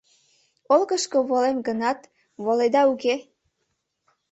Олыкышко волем гынат, воледа, уке?